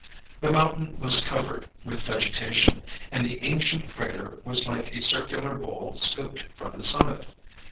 The mountain was covered with vegetation, and the ancient crater was like a circular bowl scooped from the summit.